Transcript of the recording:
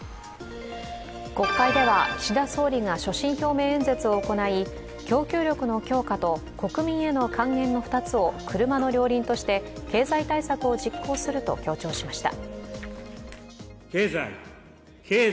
国会では岸田総理が所信表明演説を行い、供給力の強化と国民への還元の２つを車の両輪として経済対策を実行すると強調しました。